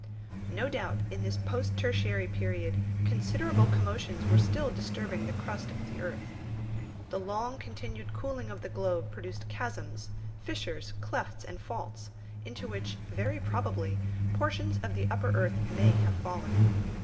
No doubt in the post tertiary period considerable commotions were still disturbing the crust of the earth. The long continued cooling of the globe produced chasms, fissures, clefts, and faults, into which, very probably, portions of the upper earth may have fallen.